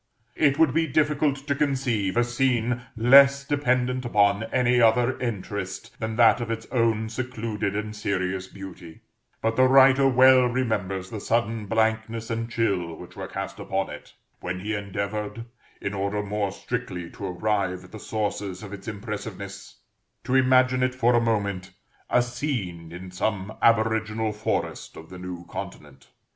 It would be difficult to conceive a scene less dependent upon any other interest than that of its own secluded and serious beauty; but the writer well remembers the sudden blankness and chill which were cast upon it when he endeavored, in order more strictly to arrive at the sources of its impressiveness, to imagine it, for a moment, a scene in some aboriginal forest of the New Continent.